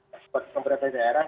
seperti pemerintah daerah